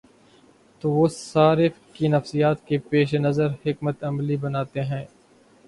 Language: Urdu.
تو وہ صارف کی نفسیات کے پیش نظر حکمت عملی بناتے ہیں۔